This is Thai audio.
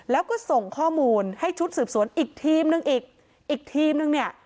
แล้วก็ส่งข้อมูลให้ชุดสืบสวนอีกทีมนึงอีกอีกทีมนึงเนี่ย